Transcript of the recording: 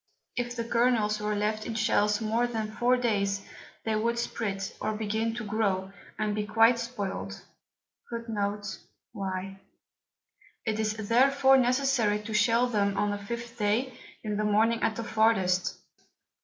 If the Kernels were left in Shells more than four Days, they would sprit, or begin to grow, and be quite spoiled[y]: It is therefore necessary to shell them on the fifth Day in the Morning at farthest.